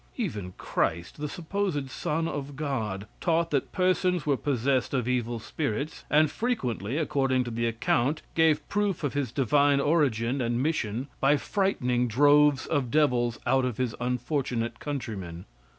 Even Christ, the supposed son of God, taught that persons were possessed of evil spirits, and frequently, according to the account, gave proof of his divine origin and mission by frightening droves of devils out of his unfortunate countrymen.